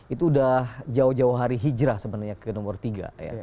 itu udah jauh jauh hari hijrah sebenarnya ke nomor tiga ya